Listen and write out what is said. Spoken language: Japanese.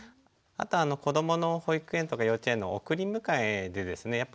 あとは子どもの保育園とか幼稚園の送り迎えでですね